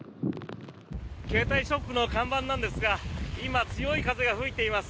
携帯ショップの看板なんですが今、強い風が吹いています。